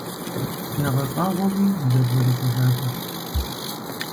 ЯгъэщӀагъуэуи зэбгрыкӀыжахэщ.